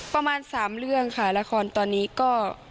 ประมาณ๓เรื่องค่ะละครตอนนี้ก็